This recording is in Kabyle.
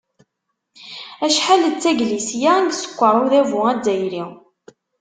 Acḥal d taglisya i isekkeṛ Udabu azzayri!